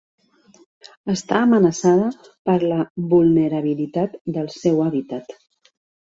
Està amenaçada per la vulnerabilitat del seu hàbitat.